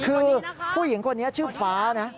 คือผู้หญิงคนนี้ชื่อฟ้านะ